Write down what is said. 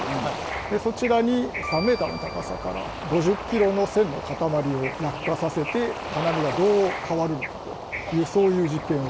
でそちらに３ｍの高さから５０ｋｇの線の塊を落下させて金網がどう変わるのかというそういう実験を。